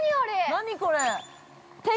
◆何これ？